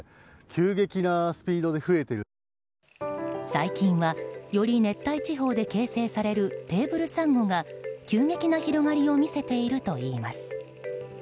最近はより熱帯地方で形成されるテーブルサンゴが急激な広がりを見せているといいます。